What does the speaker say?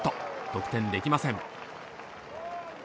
得点できません。